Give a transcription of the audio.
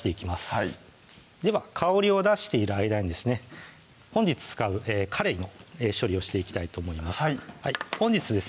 はいでは香りを出している間にですね本日使うかれいの処理をしていきたいと思います本日ですね